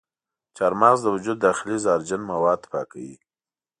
چارمغز د وجود داخلي زهرجن مواد پاکوي.